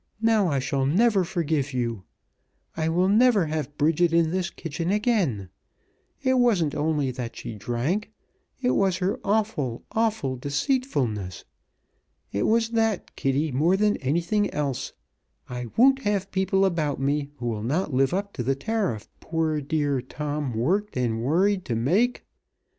"Now I shall never forgive you! I will never have Bridget in this kitchen again! It wasn't only that she drank, it was her awful, awful deceitfulness. It was that, Kitty, more than anything else. I won't have people about me who will not live up to the tariff poor dear Tom worked and worried to make!